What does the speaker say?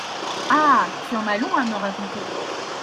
Ah ! tu en as long à me raconter !